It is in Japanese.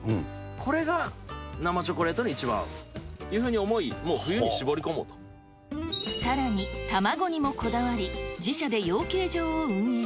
これが生チョコレートに一番というふうに思い、もう冬に搾り込もさらに卵にもこだわり、自社で養鶏場を運営。